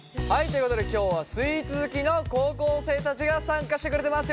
ということで今日はスイーツ好きの高校生たちが参加してくれてます。